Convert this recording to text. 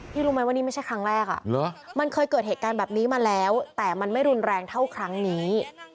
รู้ไหมว่านี่ไม่ใช่ครั้งแรกมันเคยเกิดเหตุการณ์แบบนี้มาแล้วแต่มันไม่รุนแรงเท่าครั้งนี้